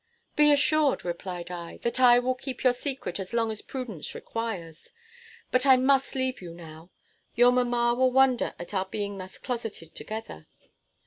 "Be assured," replied I, "that I will keep your secret as long as prudence requires. But I must leave you now; your mamma will wonder at our being thus closeted together.